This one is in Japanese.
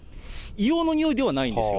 硫黄のにおいではないんですよ。